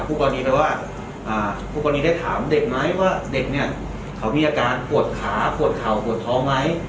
ผู้กรณีไหมว่าผู้กรณีได้ถามเด็กไหมว่าเด็กเนี่ยเขามีอาการปวดขาปวดเข่าปวดท้องไหม